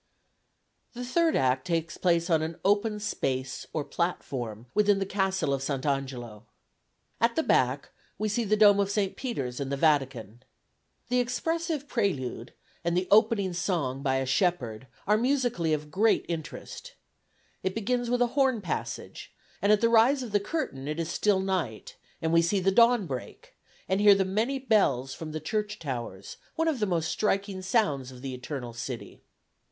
The third act takes place on an open space or platform within the Castle of S. Angelo. At the back we see the dome of S. Peter's and the Vatican. The expressive prelude, and the opening song by a shepherd, are musically of great interest. It begins with a horn passage, and at the rise of the curtain it is still night, and we see the dawn break, and hear the many bells from the church towers, one of the most striking sounds of the Eternal city.